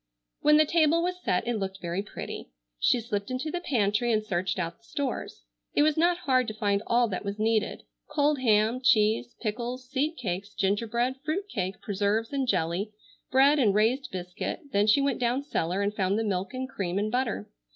When the table was set it looked very pretty. She slipped into the pantry and searched out the stores. It was not hard to find all that was needed; cold ham, cheese, pickles, seed cakes, gingerbread, fruit cake, preserves and jelly, bread and raised biscuit, then she went down cellar and found the milk and cream and butter.